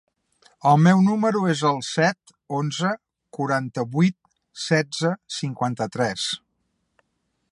El meu número es el set, onze, quaranta-vuit, setze, cinquanta-tres.